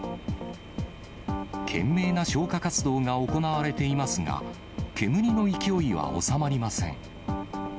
懸命な消火活動が行われていますが、煙の勢いは収まりません。